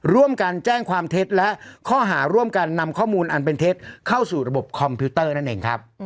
ร่วมกันแจ้งความเท็จและข้อหาร่วมกันนำข้อมูลอันเป็นเท็จเข้าสู่ระบบคอมพิวเตอร์นั่นเองครับ